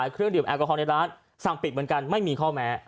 เครื่องดื่มแอลกอฮอลในร้านสั่งปิดเหมือนกันไม่มีข้อแม้